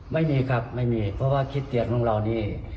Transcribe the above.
ไม่มีครับไม่มีเพราะว่าคิดเตียนของเรานี่